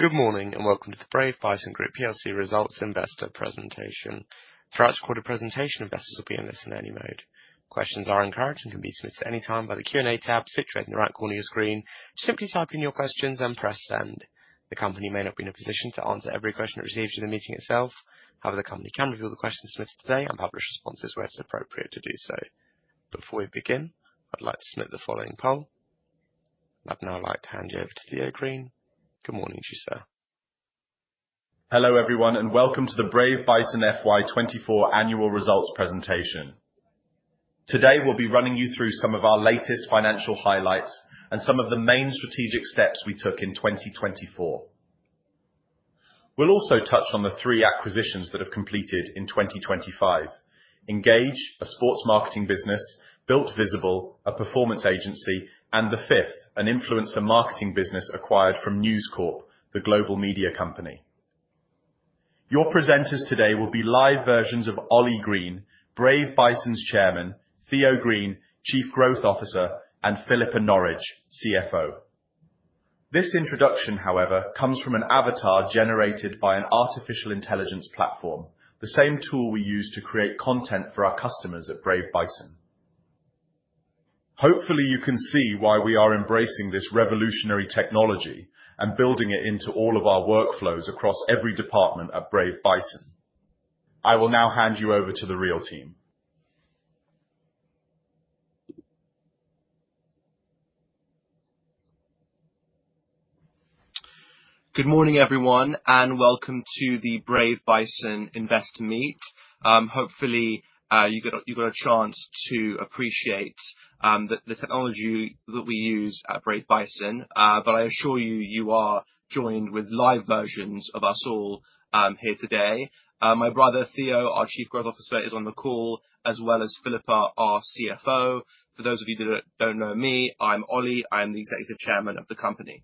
Good morning and welcome to the Brave Bison Group Results Investor presentation. Throughout this recorded presentation, investors will be in listen-only mode. Questions are encouraged and can be submitted at any time via the Q&A tab, situated in the right corner of your screen. Simply type in your questions and press send. The company may not be in a position to answer every question that's received in the meeting itself. However, the company can review the questions submitted today and publish responses where it's appropriate to do so. Before we begin, I'd like to submit the following poll. I'd now like to hand you over to Theo Green. Good morning to you, sir. Hello everyone and welcome to the Brave Bison FY24 Annual Results Presentation. Today we'll be running you through some of our latest financial highlights and some of the main strategic steps we took in 2024. We'll also touch on the three acquisitions that have completed in 2025: Engage, a sports marketing business, Builtvisible, a performance agency, and The Fifth, an influencer marketing business acquired from News Corp, the global media company. Your presenters today will be live versions of Oli Green, Brave Bison's Chairman, Theo Green, Chief Growth Officer, and Philippa Norridge, CFO. This introduction, however, comes from an avatar generated by an artificial intelligence platform, the same tool we use to create content for our customers at Brave Bison. Hopefully, you can see why we are embracing this revolutionary technology and building it into all of our workflows across every department at Brave Bison. I will now hand you over to the real team. Good morning everyone and welcome to the Brave Bison Investor Meet. Hopefully, you got a chance to appreciate the technology that we use at Brave Bison, but I assure you you are joined with live versions of us all here today. My brother Theo, our Chief Growth Officer, is on the call, as well as Philippa, our CFO. For those of you that do not know me, I am Oli, I am the Executive Chairman of the company.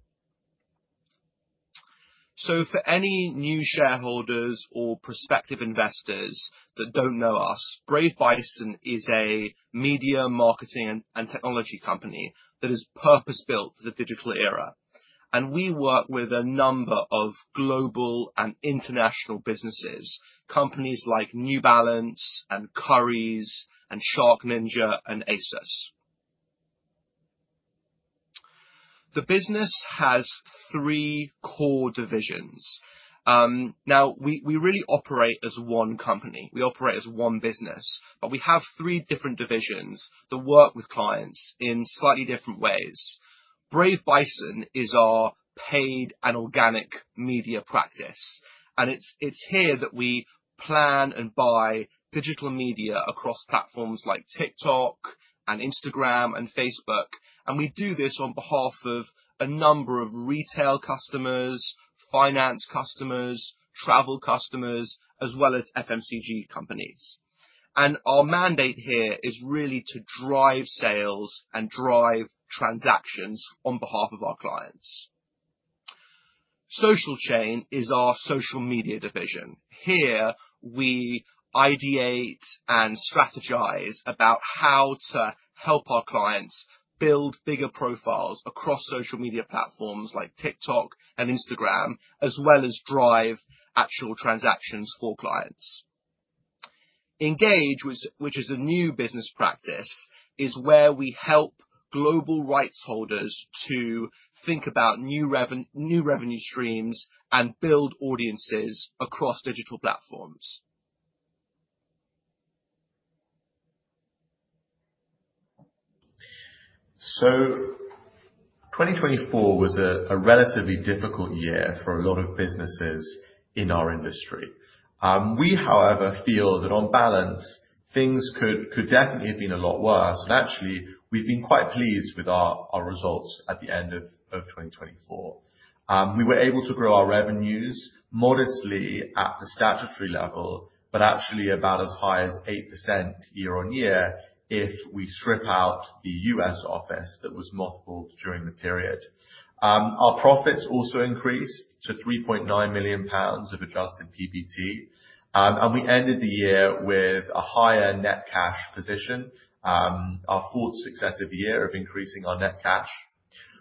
For any new shareholders or prospective investors that do not know us, Brave Bison is a media, marketing, and technology company that is purpose-built for the digital era. We work with a number of global and international businesses, companies like New Balance and Currys and SharkNinja and ASUS. The business has three core divisions. Now, we really operate as one company. We operate as one business, but we have three different divisions that work with clients in slightly different ways. Brave Bison is our paid and organic media practice, and it is here that we plan and buy digital media across platforms like TikTok and Instagram and Facebook. We do this on behalf of a number of retail customers, finance customers, travel customers, as well as FMCG companies. Our mandate here is really to drive sales and drive transactions on behalf of our clients. Social Chain is our social media division. Here we ideate and strategize about how to help our clients build bigger profiles across social media platforms like TikTok and Instagram, as well as drive actual transactions for clients. Engage, which is a new business practice, is where we help global rights holders to think about new revenue streams and build audiences across digital platforms. 2024 was a relatively difficult year for a lot of businesses in our industry. We, however, feel that on balance, things could definitely have been a lot worse. Actually, we've been quite pleased with our results at the end of 2024. We were able to grow our revenues modestly at the statutory level, but actually about as high as 8% year on year if we strip out the U.S. office that was multiplied during the period. Our profits also increased to 3.9 million pounds of adjusted PBT, and we ended the year with a higher net cash position, our fourth successive year of increasing our net cash.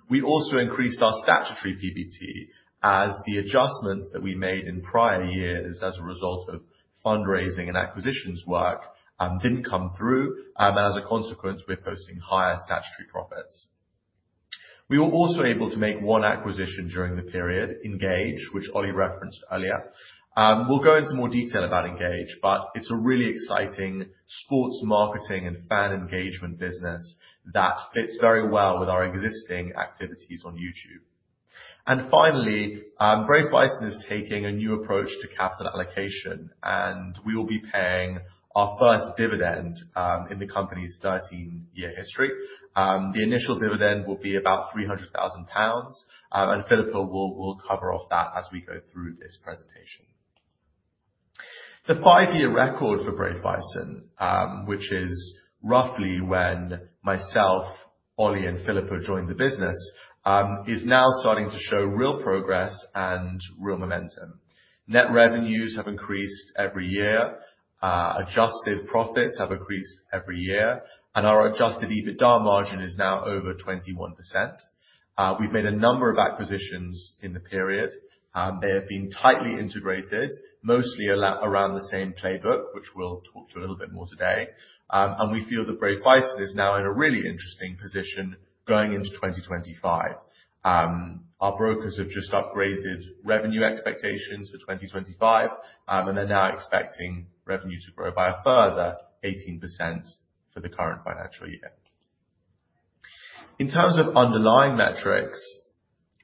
We also increased our statutory PBT as the adjustments that we made in prior years as a result of fundraising and acquisitions work did not come through. As a consequence, we're posting higher statutory profits. We were also able to make one acquisition during the period, Engage, which Olie referenced earlier. We will go into more detail about Engage, but it is a really exciting sports marketing and fan engagement business that fits very well with our existing activities on YouTube. Finally, Brave Bison is taking a new approach to capital allocation, and we will be paying our first dividend in the company's 13-year history. The initial dividend will be about 300,000 pounds, and Philippa will cover off that as we go through this presentation. The five-year record for Brave Bison, which is roughly when myself, Oli, and Philippa joined the business, is now starting to show real progress and real momentum. Net revenues have increased every year, adjusted profits have increased every year, and our adjusted EBITDA margin is now over 21%. We have made a number of acquisitions in the period. They have been tightly integrated, mostly around the same playbook, which we'll talk to a little bit more today. We feel that Brave Bison is now in a really interesting position going into 2025. Our brokers have just upgraded revenue expectations for 2025, and they're now expecting revenue to grow by a further 18% for the current financial year. In terms of underlying metrics,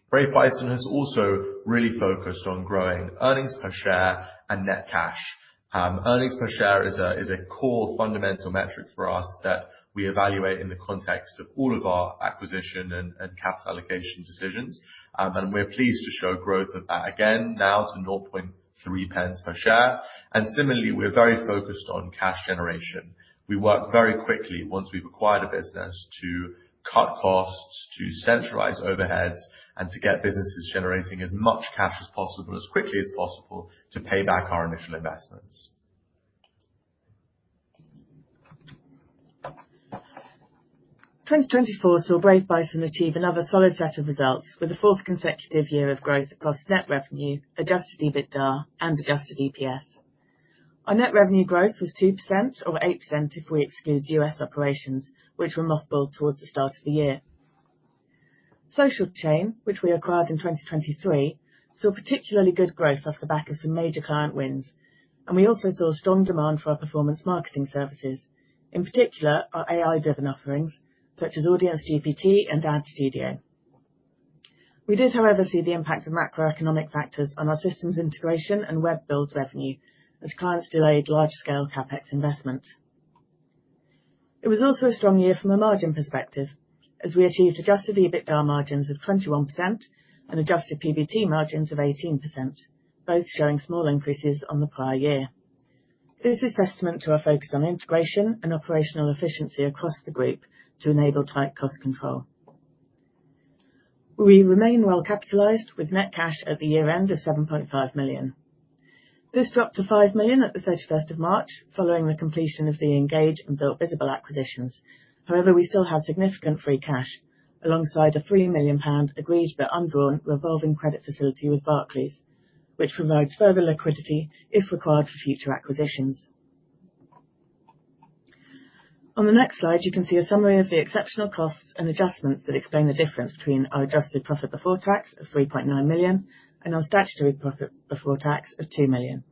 Brave Bison has also really focused on growing earnings per share and net cash. Earnings per share is a core fundamental metric for us that we evaluate in the context of all of our acquisition and capital allocation decisions. We're pleased to show growth of that again, now to 0.03 per share. Similarly, we're very focused on cash generation. We work very quickly once we've acquired a business to cut costs, to centralize overheads, and to get businesses generating as much cash as possible as quickly as possible to pay back our initial investments. 2024 saw Brave Bison achieve another solid set of results with a fourth consecutive year of growth across net revenue, adjusted EBITDA, and adjusted EPS. Our net revenue growth was 2% or 8% if we exclude U.S. operations, which were multiplied towards the start of the year. Social Chain, which we acquired in 2023, saw particularly good growth off the back of some major client wins. We also saw strong demand for our performance marketing services, in particular our AI-driven offerings such as Audience GPT and Ad Studio. We did, however, see the impact of macroeconomic factors on our systems integration and web-build revenue as clients delayed large-scale CapEx investment. It was also a strong year from a margin perspective as we achieved adjusted EBITDA margins of 21% and adjusted PBT margins of 18%, both showing small increases on the prior year. This is testament to our focus on integration and operational efficiency across the group to enable tight cost control. We remain well capitalized with net cash at the year-end of 7.5 million. This dropped to 5 million at the 31st of March following the completion of the Engage and Builtvisible acquisitions. However, we still have significant free cash alongside a 3 million pound agreed but undrawn revolving credit facility with Barclays, which provides further liquidity if required for future acquisitions. On the next slide, you can see a summary of the exceptional costs and adjustments that explain the difference between our adjusted profit before tax of 3.9 million and our statutory profit before tax of 2 million.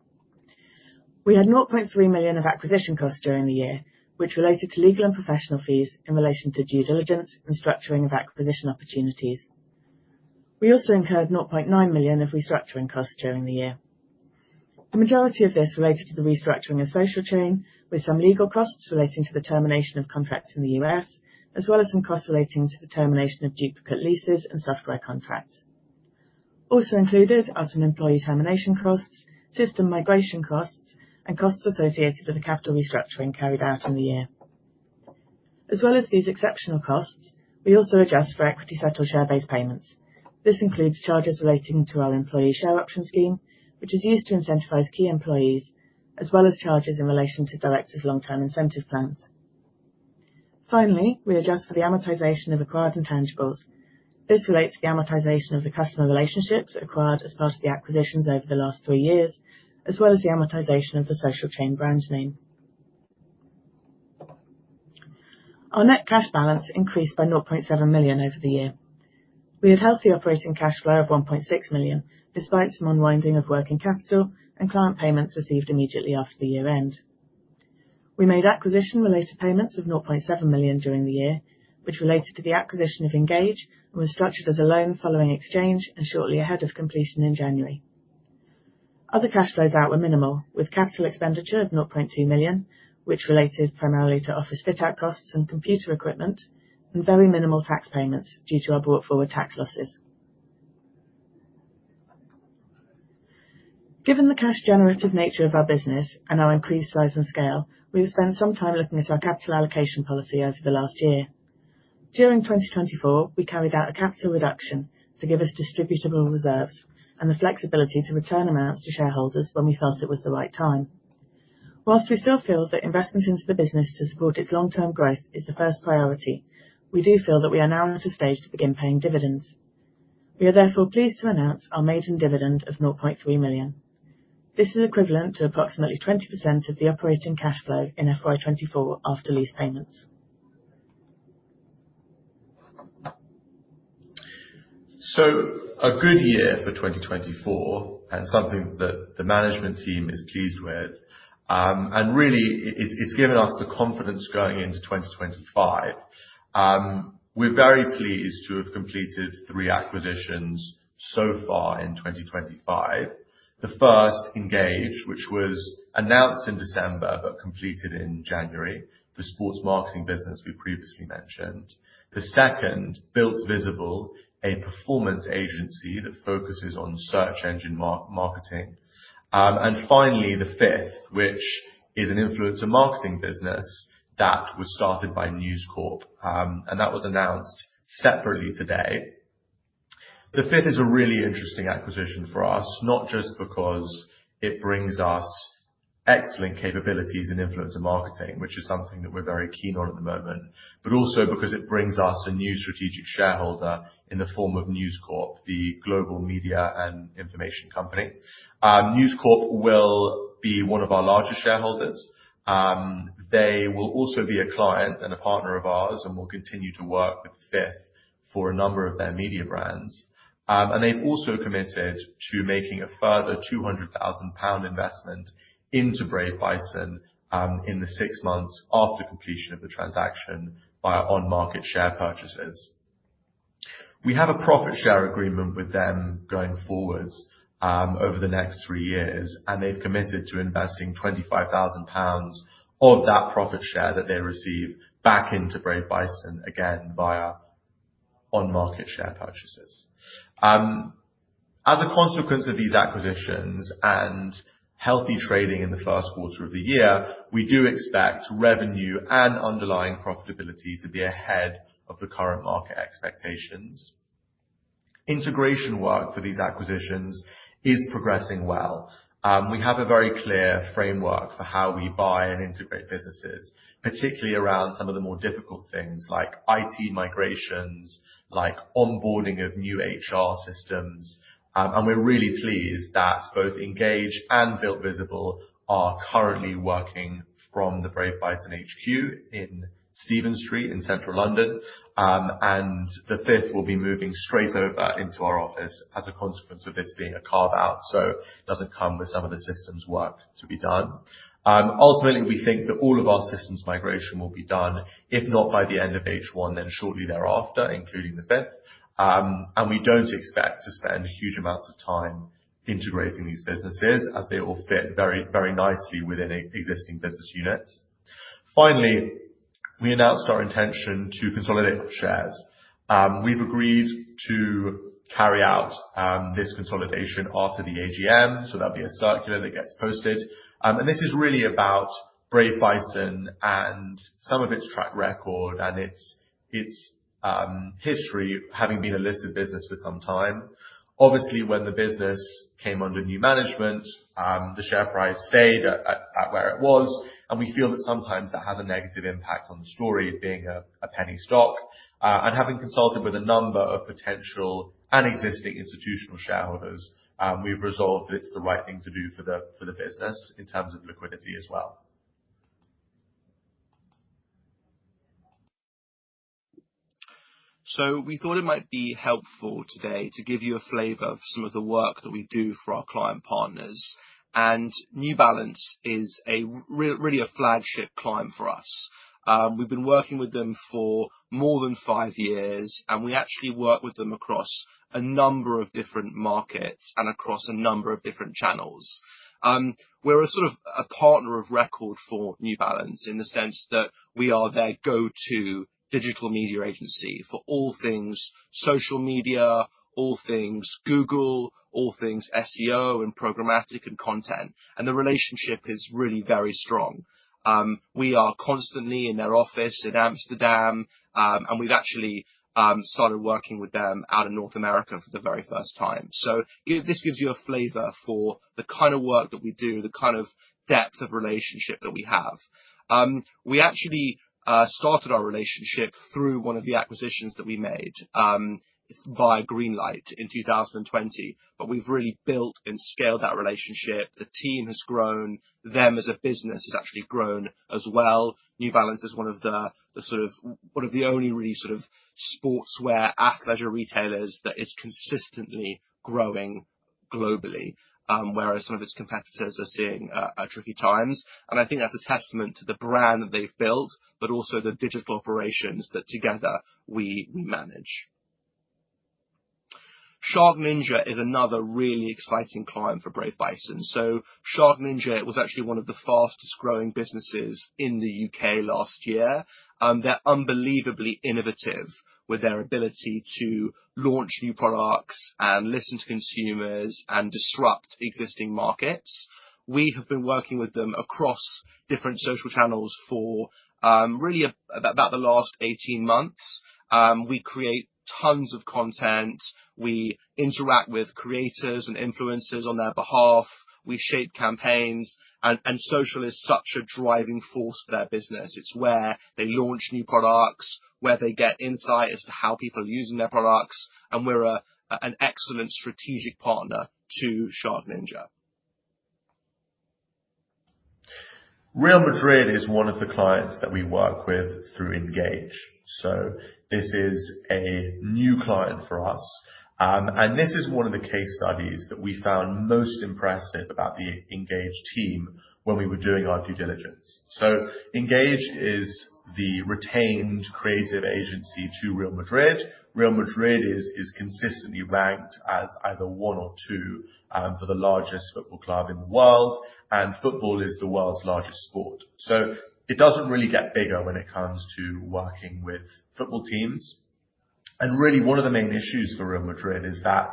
We had 0.3 million of acquisition costs during the year, which related to legal and professional fees in relation to due diligence and structuring of acquisition opportunities. We also incurred 0.9 million of restructuring costs during the year. The majority of this related to the restructuring of Social Chain, with some legal costs relating to the termination of contracts in the U.S., as well as some costs relating to the termination of duplicate leases and software contracts. Also included are some employee termination costs, system migration costs, and costs associated with the capital restructuring carried out in the year. As well as these exceptional costs, we also adjust for equity settled share-based payments. This includes charges relating to our employee share option scheme, which is used to incentivize key employees, as well as charges in relation to directors' long-term incentive plans. Finally, we adjust for the amortization of acquired intangibles. This relates to the amortization of the customer relationships acquired as part of the acquisitions over the last three years, as well as the amortization of the Social Chain brand name. Our net cash balance increased by 0.7 million over the year. We had healthy operating cash flow of 1.6 million, despite some unwinding of working capital and client payments received immediately after the year-end. We made acquisition-related payments of 0.7 million during the year, which related to the acquisition of Engage and was structured as a loan following exchange and shortly ahead of completion in January. Other cash flows out were minimal, with capital expenditure of 0.2 million, which related primarily to office fit-out costs and computer equipment, and very minimal tax payments due to our brought-forward tax losses. Given the cash-generative nature of our business and our increased size and scale, we have spent some time looking at our capital allocation policy over the last year. During 2024, we carried out a capital reduction to give us distributable reserves and the flexibility to return amounts to shareholders when we felt it was the right time. Whilst we still feel that investment into the business to support its long-term growth is the first priority, we do feel that we are now at a stage to begin paying dividends. We are therefore pleased to announce our maiden dividend of 0.3 million. This is equivalent to approximately 20% of the operating cash flow in FY24 after lease payments. A good year for 2024 and something that the management team is pleased with. It has really given us the confidence going into 2025. We're very pleased to have completed three acquisitions so far in 2025. The first, Engage, which was announced in December but completed in January, the sports marketing business we previously mentioned. The second, Builtvisible, a performance agency that focuses on search engine marketing. Finally, The Fifth, which is an influencer marketing business that was started by News Corp, and that was announced separately today. The Fifth is a really interesting acquisition for us, not just because it brings us excellent capabilities in influencer marketing, which is something that we're very keen on at the moment, but also because it brings us a new strategic shareholder in the form of News Corp, the global media and information company. News Corp will be one of our larger shareholders. They will also be a client and a partner of ours and will continue to work with The Fifth for a number of their media brands. They have also committed to making a further 200,000 pound investment into Brave Bison in the six months after completion of the transaction by on-market share purchases. We have a profit share agreement with them going forwards over the next three years, and they have committed to investing 25,000 pounds of that profit share that they receive back into Brave Bison again via on-market share purchases. As a consequence of these acquisitions and healthy trading in the first quarter of the year, we do expect revenue and underlying profitability to be ahead of the current market expectations. Integration work for these acquisitions is progressing well. We have a very clear framework for how we buy and integrate businesses, particularly around some of the more difficult things like IT migrations, like onboarding of new HR systems. We are really pleased that both Engage and Builtvisible are currently working from the Brave Bison HQ in Stephen Street in central London. The Fifth will be moving straight over into our office as a consequence of this being a carve-out, so it does not come with some of the systems work to be done. Ultimately, we think that all of our systems migration will be done, if not by the end of H1, then shortly thereafter, including The Fifth. We do not expect to spend huge amounts of time integrating these businesses as they all fit very nicely within existing business units. Finally, we announced our intention to consolidate shares. We've agreed to carry out this consolidation after the AGM, so there'll be a circular that gets posted. This is really about Brave Bison and some of its track record and its history having been a listed business for some time. Obviously, when the business came under new management, the share price stayed at where it was, and we feel that sometimes that has a negative impact on the story of being a penny stock. Having consulted with a number of potential and existing institutional shareholders, we've resolved that it's the right thing to do for the business in terms of liquidity as well. We thought it might be helpful today to give you a flavor of some of the work that we do for our client partners. New Balance is really a flagship client for us. We've been working with them for more than five years, and we actually work with them across a number of different markets and across a number of different channels. We're sort of a partner of record for New Balance in the sense that we are their go-to digital media agency for all things social media, all things Google, all things SEO and programmatic and content. The relationship is really very strong. We are constantly in their office in Amsterdam, and we've actually started working with them out of North America for the very first time. This gives you a flavor for the kind of work that we do, the kind of depth of relationship that we have. We actually started our relationship through one of the acquisitions that we made via Greenlight in 2020, but we've really built and scaled that relationship. The team has grown. Them as a business has actually grown as well. New Balance is one of the sort of one of the only really sort of sportswear athleisure retailers that is consistently growing globally, whereas some of its competitors are seeing tricky times. I think that's a testament to the brand that they've built, but also the digital operations that together we manage. SharkNinja is another really exciting client for Brave Bison. SharkNinja was actually one of the fastest growing businesses in the U.K. last year. They're unbelievably innovative with their ability to launch new products and listen to consumers and disrupt existing markets. We have been working with them across different social channels for really about the last 18 months. We create tons of content. We interact with creators and influencers on their behalf. We shape campaigns. Social is such a driving force for their business. It's where they launch new products, where they get insight as to how people are using their products. We're an excellent strategic partner to SharkNinja. Real Madrid is one of the clients that we work with through Engage. This is a new client for us. This is one of the case studies that we found most impressive about the Engage team when we were doing our due diligence. Engage is the retained creative agency to Real Madrid. Real Madrid is consistently ranked as either one or two for the largest football club in the world, and football is the world's largest sport. It doesn't really get bigger when it comes to working with football teams. Really, one of the main issues for Real Madrid is that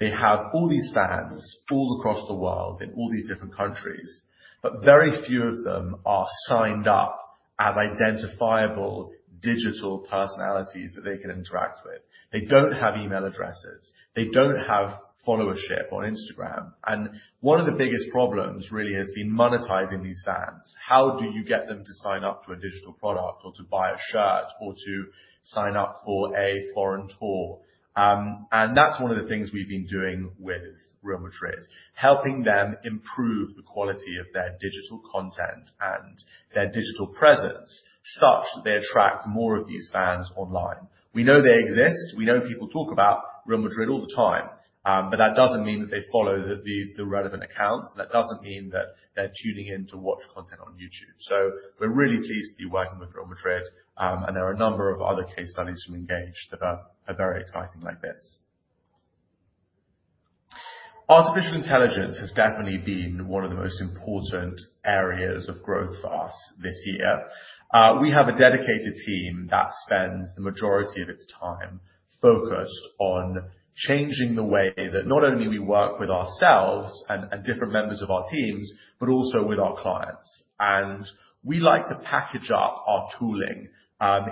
they have all these fans all across the world in all these different countries, but very few of them are signed up as identifiable digital personalities that they can interact with. They don't have email addresses. They don't have followership on Instagram. One of the biggest problems really has been monetizing these fans. How do you get them to sign up to a digital product or to buy a shirt or to sign up for a foreign tour? That is one of the things we have been doing with Real Madrid, helping them improve the quality of their digital content and their digital presence such that they attract more of these fans online. We know they exist. We know people talk about Real Madrid all the time, but that does not mean that they follow the relevant accounts. That does not mean that they are tuning in to watch content on YouTube. We are really pleased to be working with Real Madrid. There are a number of other case studies from Engage that are very exciting like this. Artificial intelligence has definitely been one of the most important areas of growth for us this year. We have a dedicated team that spends the majority of its time focused on changing the way that not only we work with ourselves and different members of our teams, but also with our clients. We like to package up our tooling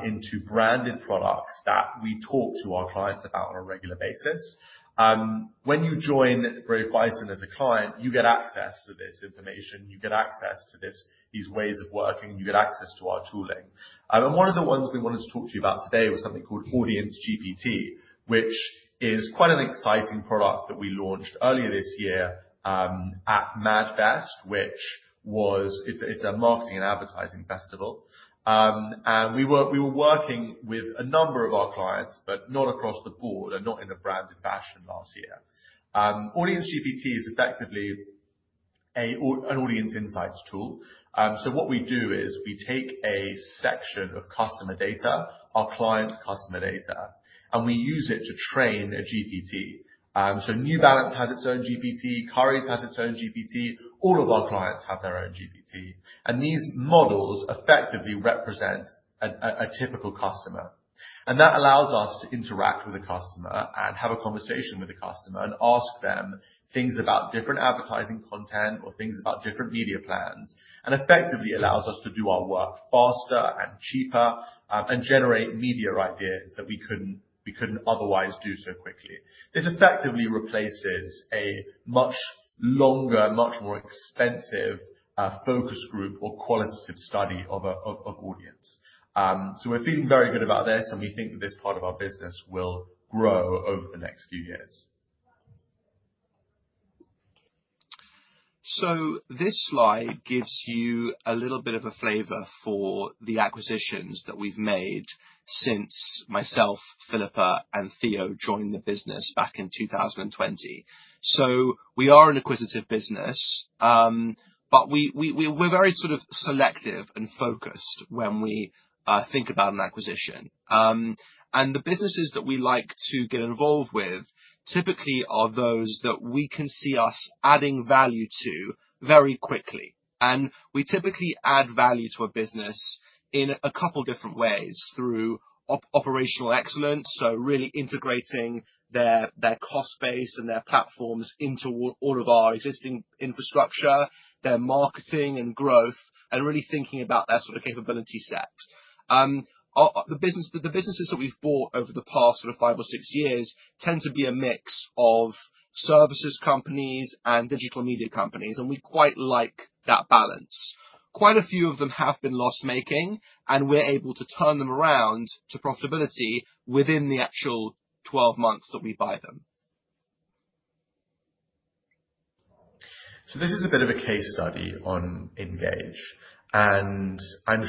into branded products that we talk to our clients about on a regular basis. When you join Brave Bison as a client, you get access to this information. You get access to these ways of working. You get access to our tooling. One of the ones we wanted to talk to you about today was something called Audience GPT, which is quite an exciting product that we launched earlier this year at MAD//Fest, which was a marketing and advertising festival. We were working with a number of our clients, but not across the board and not in a branded fashion last year. Audience GPT is effectively an audience insights tool. What we do is we take a section of customer data, our client's customer data, and we use it to train a GPT. New Balance has its own GPT. Currys has its own GPT. All of our clients have their own GPT. These models effectively represent a typical customer. That allows us to interact with a customer and have a conversation with a customer and ask them things about different advertising content or things about different media plans and effectively allows us to do our work faster and cheaper and generate media ideas that we could not otherwise do so quickly. This effectively replaces a much longer, much more expensive focus group or qualitative study of audience. We are feeling very good about this, and we think that this part of our business will grow over the next few years. This slide gives you a little bit of a flavor for the acquisitions that we've made since myself, Philippa, and Theo joined the business back in 2020. We are an acquisitive business, but we're very sort of selective and focused when we think about an acquisition. The businesses that we like to get involved with typically are those that we can see us adding value to very quickly. We typically add value to a business in a couple of different ways through operational excellence, so really integrating their cost base and their platforms into all of our existing infrastructure, their marketing and growth, and really thinking about their sort of capability set. The businesses that we've bought over the past five or six years tend to be a mix of services companies and digital media companies, and we quite like that balance. Quite a few of them have been loss-making, and we're able to turn them around to profitability within the actual 12 months that we buy them. This is a bit of a case study on Engage. I'm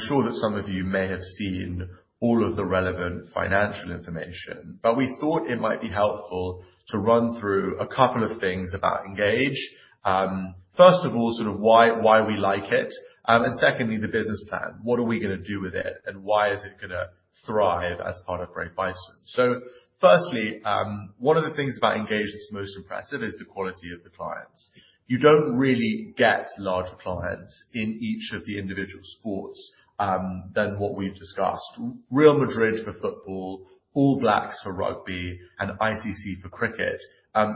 sure that some of you may have seen all of the relevant financial information, but we thought it might be helpful to run through a couple of things about Engage. First of all, sort of why we like it. Secondly, the business plan. What are we going to do with it, and why is it going to thrive as part of Brave Bison? Firstly, one of the things about Engage that's most impressive is the quality of the clients. You don't really get large clients in each of the individual sports than what we've discussed. Real Madrid for football, All Blacks for rugby, and ICC for cricket.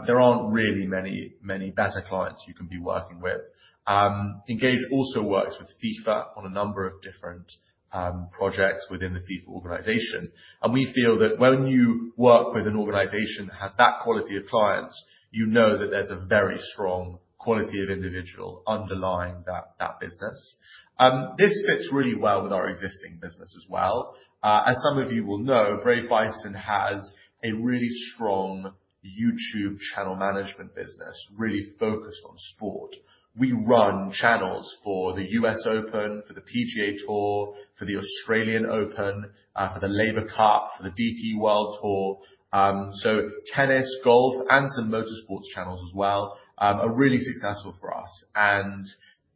There aren't really many better clients you can be working with. Engage also works with FIFA on a number of different projects within the FIFA organization. We feel that when you work with an organization that has that quality of clients, you know that there's a very strong quality of individual underlying that business. This fits really well with our existing business as well. As some of you will know, Brave Bison has a really strong YouTube channel management business, really focused on sport. We run channels for the U.S. Open, for the PGA TOUR, for the Australian Open, for the Laver Cup, for the DP World Tour. Tennis, golf, and some motorsports channels as well are really successful for us.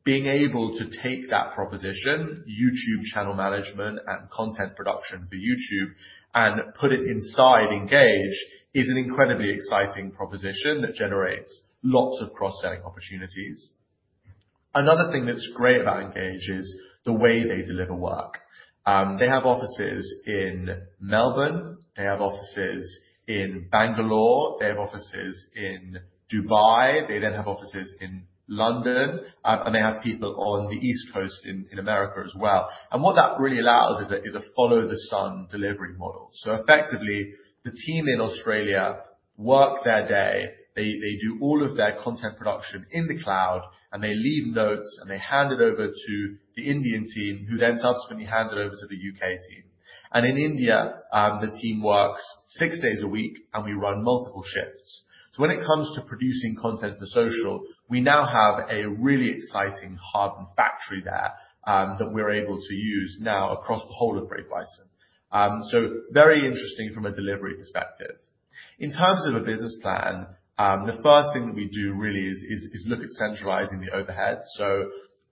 Being able to take that proposition, YouTube channel management and content production for YouTube, and put it inside Engage is an incredibly exciting proposition that generates lots of cross-selling opportunities. Another thing that's great about Engage is the way they deliver work. They have offices in Melbourne. They have offices in Bangalore. They have offices in Dubai. They then have offices in London. They have people on the East Coast in America as well. What that really allows is a follow-the-sun delivery model. Effectively, the team in Australia work their day. They do all of their content production in the cloud, they leave notes, and they hand it over to the Indian team, who then subsequently hand it over to the U.K. team. In India, the team works six days a week, and we run multiple shifts. When it comes to producing content for social, we now have a really exciting hardened factory there that we're able to use now across the whole of Brave Bison. Very interesting from a delivery perspective. In terms of a business plan, the first thing that we do really is look at centralizing the overhead.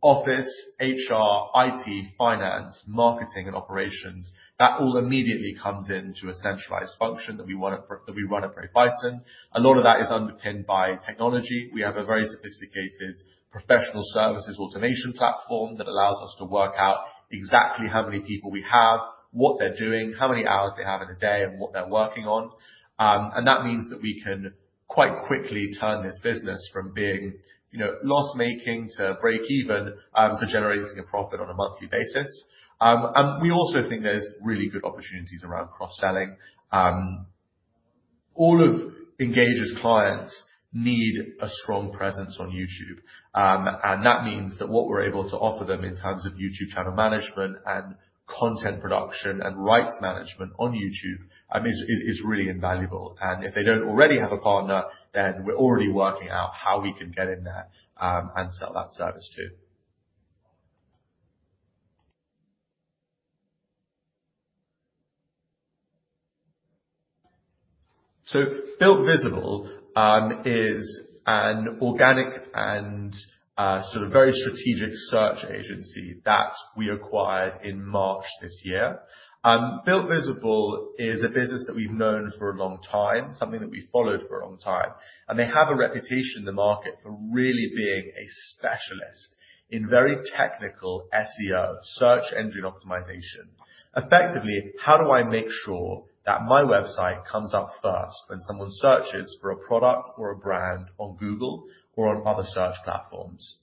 Office, HR, IT, finance, marketing, and operations, that all immediately comes into a centralized function that we run at Brave Bison. A lot of that is underpinned by technology. We have a very sophisticated professional services automation platform that allows us to work out exactly how many people we have, what they're doing, how many hours they have in a day, and what they're working on. That means that we can quite quickly turn this business from being loss-making to break-even to generating a profit on a monthly basis. We also think there's really good opportunities around cross-selling. All of Engage's clients need a strong presence on YouTube. That means that what we're able to offer them in terms of YouTube channel management and content production and rights management on YouTube is really invaluable. If they do not already have a partner, then we are already working out how we can get in there and sell that service too. Builtvisible is an organic and sort of very strategic search agency that we acquired in March this year. Builtvisible is a business that we have known for a long time, something that we followed for a long time. They have a reputation in the market for really being a specialist in very technical SEO, search engine optimization. Effectively, how do I make sure that my website comes up first when someone searches for a product or a brand on Google or on other search platforms?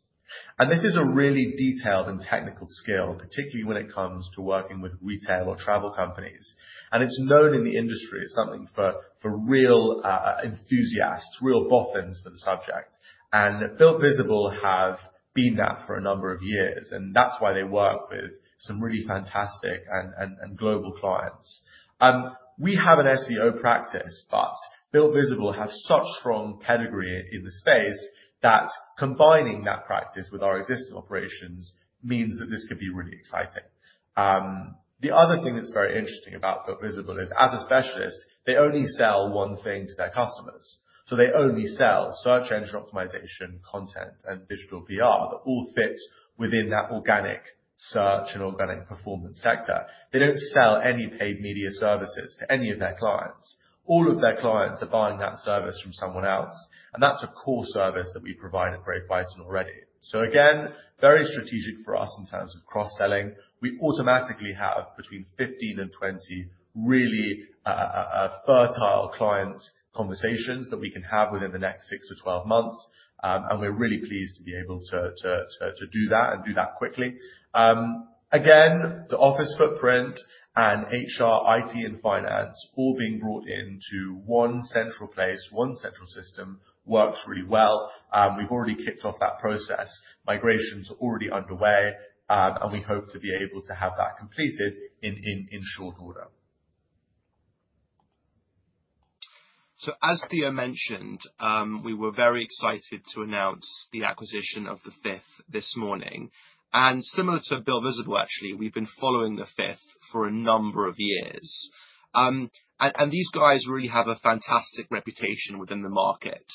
This is a really detailed and technical skill, particularly when it comes to working with retail or travel companies. It is known in the industry. It is something for real enthusiasts, real boffins for the subject. Builtvisible have been that for a number of years. That is why they work with some really fantastic and global clients. We have an SEO practice, but Builtvisible has such strong pedigree in the space that combining that practice with our existing operations means that this could be really exciting. The other thing that is very interesting about Builtvisible is, as a specialist, they only sell one thing to their customers. They only sell search engine optimization content and digital PR that all fits within that organic search and organic performance sector. They do not sell any paid media services to any of their clients. All of their clients are buying that service from someone else. That is a core service that we provide at Brave Bison already. Again, very strategic for us in terms of cross-selling. We automatically have between 15-20 really fertile client conversations that we can have within the next 6-12 months. We are really pleased to be able to do that and do that quickly. Again, the office footprint and HR, IT, and finance all being brought into one central place, one central system works really well. We have already kicked off that process. Migrations are already underway, and we hope to be able to have that completed in short order. As Theo mentioned, we were very excited to announce the acquisition of The Fifth this morning. Similar to Builtvisible, actually, we've been following The Fifth for a number of years. These guys really have a fantastic reputation within the market.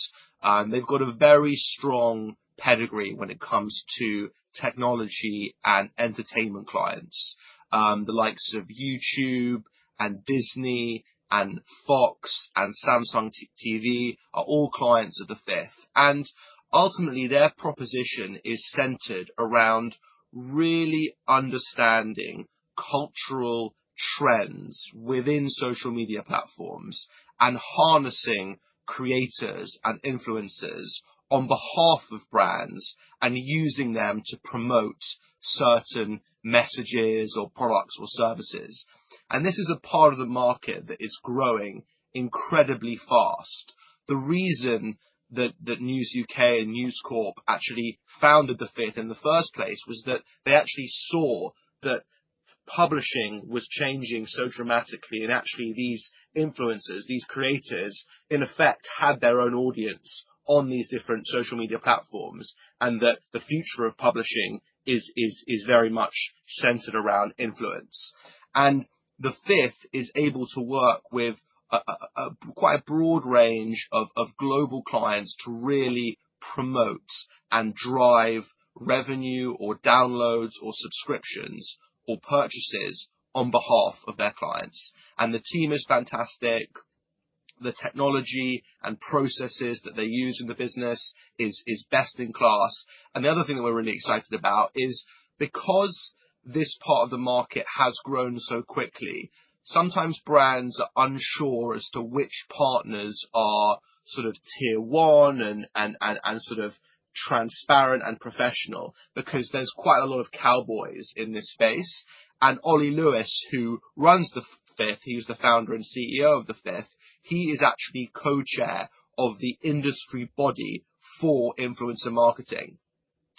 They've got a very strong pedigree when it comes to technology and entertainment clients. The likes of YouTube and Disney and Fox and Samsung TV are all clients of The Fifth. Ultimately, their proposition is centered around really understanding cultural trends within social media platforms and harnessing creators and influencers on behalf of brands and using them to promote certain messages or products or services. This is a part of the market that is growing incredibly fast. The reason that News UK and News Corp actually founded The Fifth in the first place was that they actually saw that publishing was changing so dramatically. Actually, these influencers, these creators, in effect, had their own audience on these different social media platforms and that the future of publishing is very much centered around influence. The Fifth is able to work with quite a broad range of global clients to really promote and drive revenue or downloads or subscriptions or purchases on behalf of their clients. The team is fantastic. The technology and processes that they use in the business is best in class. The other thing that we're really excited about is because this part of the market has grown so quickly, sometimes brands are unsure as to which partners are sort of tier one and sort of transparent and professional because there's quite a lot of cowboys in this space. Oli Lewis, who runs The Fifth, he's the founder and CEO of The Fifth. He is actually co-chair of the industry body for influencer marketing.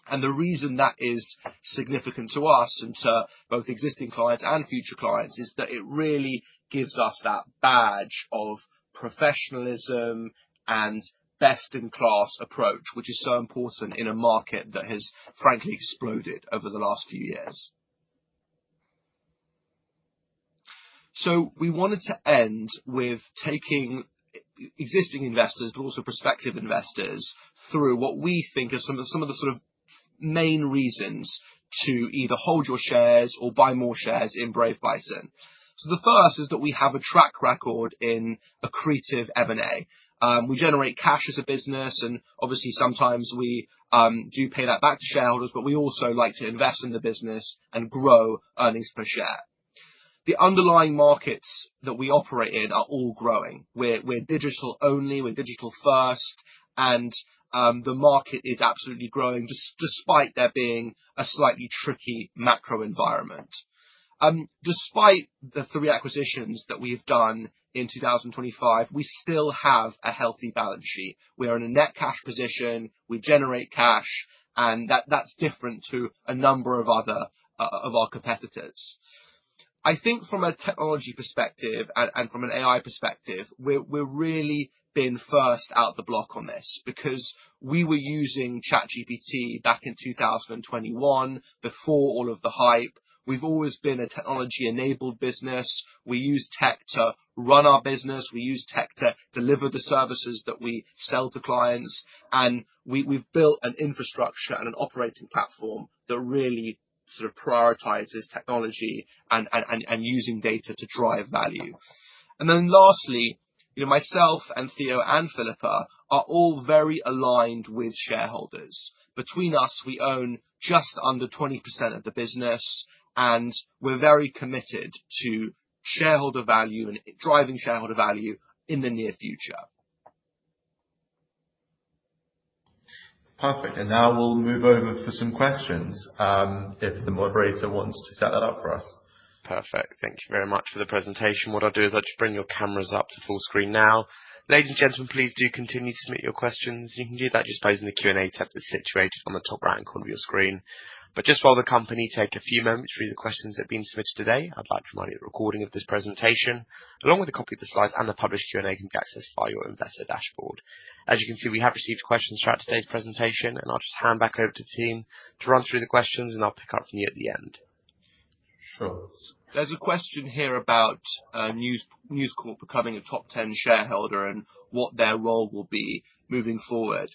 The reason that is significant to us and to both existing clients and future clients is that it really gives us that badge of professionalism and best-in-class approach, which is so important in a market that has, frankly, exploded over the last few years. We wanted to end with taking existing investors, but also prospective investors, through what we think are some of the sort of main reasons to either hold your shares or buy more shares in Brave Bison. The first is that we have a track record in a creative M&A. We generate cash as a business, and obviously, sometimes we do pay that back to shareholders, but we also like to invest in the business and grow earnings per share. The underlying markets that we operate in are all growing. We're digital only. We're digital first. The market is absolutely growing despite there being a slightly tricky macro environment. Despite the three acquisitions that we have done in 2025, we still have a healthy balance sheet. We are in a net cash position. We generate cash, and that's different to a number of our competitors. I think from a technology perspective and from an AI perspective, we've really been first out the block on this because we were using ChatGPT back in 2021 before all of the hype. We've always been a technology-enabled business. We use tech to run our business. We use tech to deliver the services that we sell to clients. We've built an infrastructure and an operating platform that really sort of prioritizes technology and using data to drive value. Lastly, myself and Theo and Philippa are all very aligned with shareholders. Between us, we own just under 20% of the business, and we're very committed to shareholder value and driving shareholder value in the near future. Perfect. Now we'll move over for some questions if the moderator wants to set that up for us. Perfect. Thank you very much for the presentation. What I'll do is I'll just bring your cameras up to full screen now. Ladies and gentlemen, please do continue to submit your questions. You can do that just by using the Q&A tab that's situated on the top right-hand corner of your screen. Just while the company takes a few moments for the questions that have been submitted today, I'd like to remind you that the recording of this presentation, along with a copy of the slides and the published Q&A, can be accessed via your investor dashboard. As you can see, we have received questions throughout today's presentation, and I'll just hand back over to the team to run through the questions, and I'll pick up from you at the end. Sure. There's a question here about News Corp becoming a top 10 shareholder and what their role will be moving forward.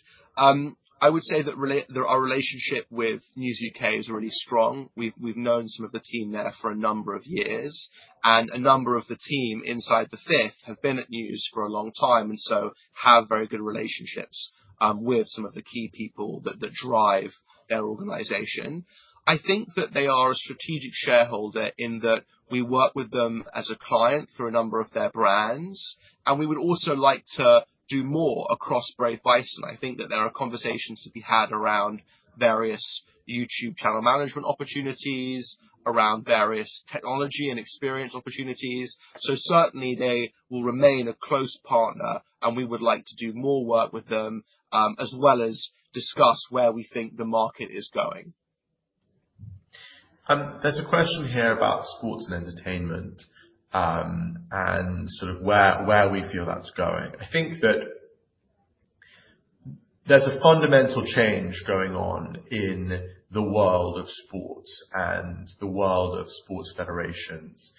I would say that our relationship with News UK is really strong. We've known some of the team there for a number of years, and a number of the team inside The Fifth have been at News for a long time and so have very good relationships with some of the key people that drive their organization. I think that they are a strategic shareholder in that we work with them as a client for a number of their brands, and we would also like to do more across Brave Bison. I think that there are conversations to be had around various YouTube channel management opportunities, around various technology and experience opportunities. They will remain a close partner, and we would like to do more work with them as well as discuss where we think the market is going. There's a question here about sports and entertainment and sort of where we feel that's going. I think that there's a fundamental change going on in the world of sports and the world of sports federations.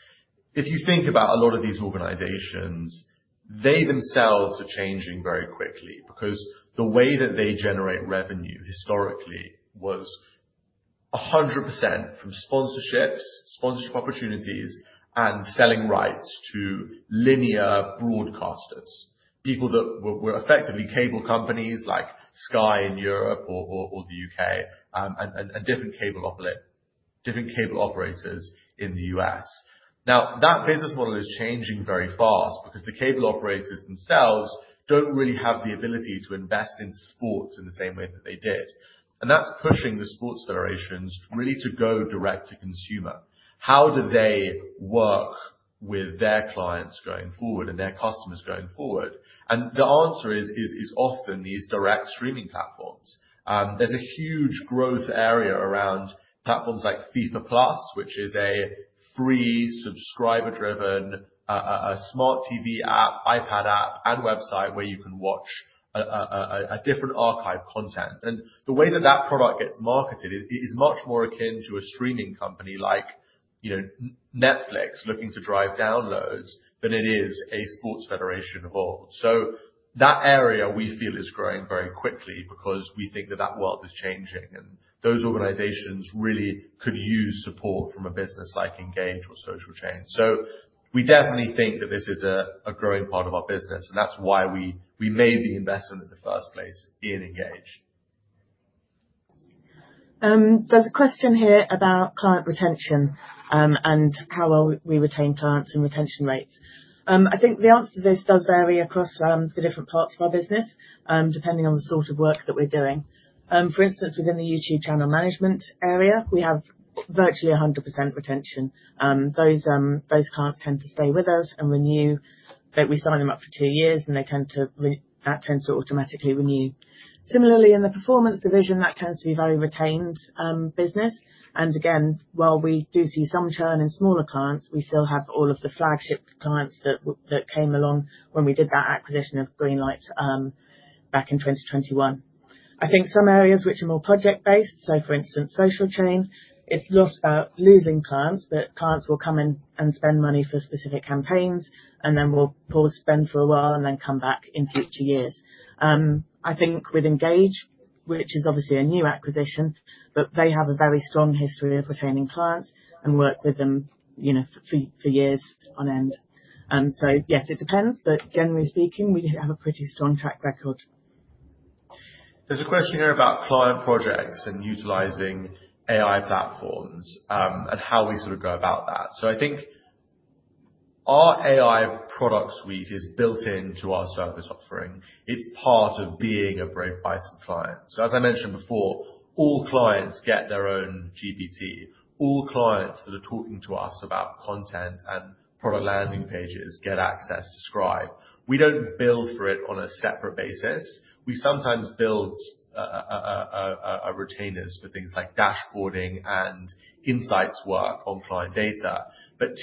If you think about a lot of these organizations, they themselves are changing very quickly because the way that they generate revenue historically was 100% from sponsorships, sponsorship opportunities, and selling rights to linear broadcasters, people that were effectively cable companies like Sky in Europe or the U.K. and different cable operators in the U.S. Now, that business model is changing very fast because the cable operators themselves don't really have the ability to invest in sports in the same way that they did. That's pushing the sports federations really to go direct to consumer. How do they work with their clients going forward and their customers going forward? The answer is often these direct streaming platforms. There's a huge growth area around platforms like FIFA Plus, which is a free subscriber-driven smart TV app, iPad app, and website where you can watch different archive content. The way that that product gets marketed is much more akin to a streaming company like Netflix looking to drive downloads than it is a sports federation of all. That area we feel is growing very quickly because we think that that world is changing and those organizations really could use support from a business like Engage or SocialChain. We definitely think that this is a growing part of our business, and that's why we made the investment in the first place in Engage. There's a question here about client retention and how well we retain clients and retention rates. I think the answer to this does vary across the different parts of our business depending on the sort of work that we're doing. For instance, within the YouTube channel management area, we have virtually 100% retention. Those clients tend to stay with us and renew. We sign them up for two years, and that tends to automatically renew. Similarly, in the performance division, that tends to be a very retained business. Again, while we do see some churn in smaller clients, we still have all of the flagship clients that came along when we did that acquisition of Greenlight back in 2021. I think some areas which are more project-based, so for instance, SocialChain, it's not about losing clients, but clients will come in and spend money for specific campaigns, and then we'll pause spend for a while and then come back in future years. I think with Engage, which is obviously a new acquisition, but they have a very strong history of retaining clients and work with them for years on end. Yes, it depends, but generally speaking, we have a pretty strong track record. There's a question here about client projects and utilising AI platforms and how we sort of go about that. I think our AI product suite is built into our service offering. It's part of being a Brave Bison client. As I mentioned before, all clients get their own GPT. All clients that are talking to us about content and product landing pages get access to Scribe. We don't build for it on a separate basis. We sometimes build retainers for things like dashboarding and insights work on client data.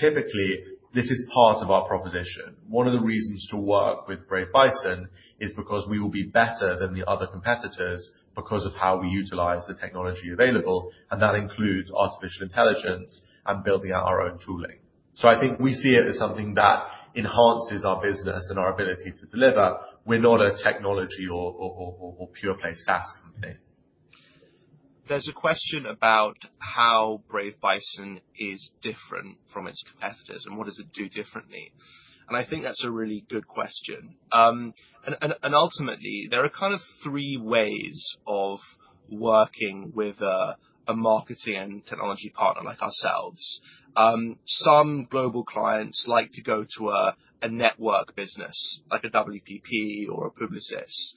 Typically, this is part of our proposition. One of the reasons to work with Brave Bison is because we will be better than the other competitors because of how we utilise the technology available, and that includes artificial intelligence and building out our own tooling. I think we see it as something that enhances our business and our ability to deliver. We're not a technology or pure-play SaaS company. There's a question about how Brave Bison is different from its competitors and what does it do differently. I think that's a really good question. Ultimately, there are kind of three ways of working with a marketing and technology partner like ourselves. Some global clients like to go to a network business like a WPP or a Publicis.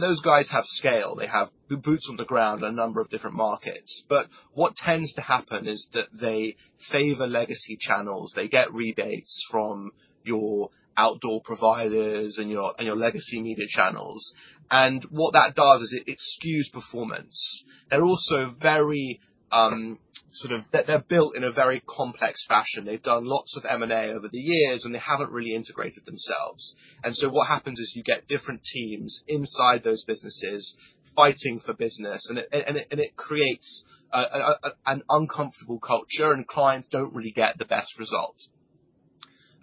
Those guys have scale. They have boots on the ground in a number of different markets. What tends to happen is that they favor legacy channels. They get rebates from your outdoor providers and your legacy media channels. What that does is it skews performance. They're also very sort of built in a very complex fashion. They've done lots of M&A over the years, and they haven't really integrated themselves. What happens is you get different teams inside those businesses fighting for business, and it creates an uncomfortable culture, and clients do not really get the best result.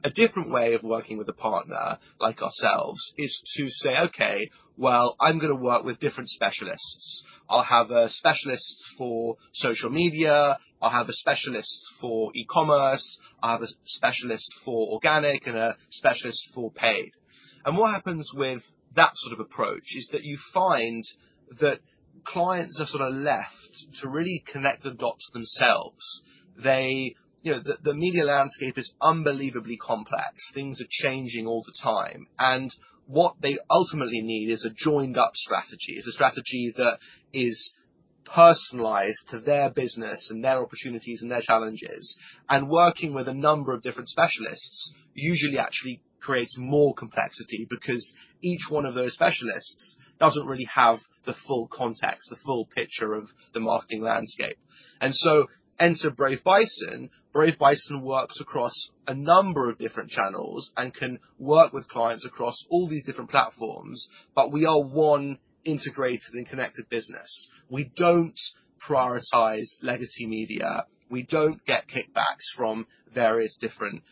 A different way of working with a partner like ourselves is to say, "Okay, I am going to work with different specialists. I will have specialists for social media. I will have specialists for e-commerce. I will have a specialist for organic and a specialist for paid." What happens with that sort of approach is that you find that clients are left to really connect the dots themselves. The media landscape is unbelievably complex. Things are changing all the time. What they ultimately need is a joined-up strategy, a strategy that is personalized to their business and their opportunities and their challenges. Working with a number of different specialists usually actually creates more complexity because each one of those specialists does not really have the full context, the full picture of the marketing landscape. Enter Brave Bison. Brave Bison works across a number of different channels and can work with clients across all these different platforms, but we are one integrated and connected business. We do not prioritize legacy media. We do not get kickbacks from various different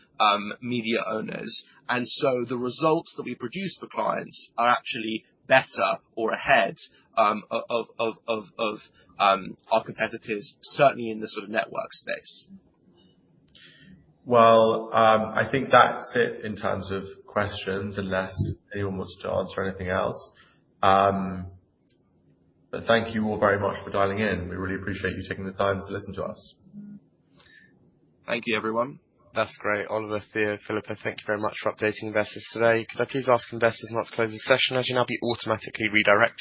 media owners. The results that we produce for clients are actually better or ahead of our competitors, certainly in the sort of network space. I think that's it in terms of questions unless anyone wants to answer anything else. Thank you all very much for dialing in. We really appreciate you taking the time to listen to us. Thank you, everyone. That's great. Oli, Theo, Philippa, thank you very much for updating investors today. Could I please ask investors not to close the session? As you know, I'll be automatically redirected.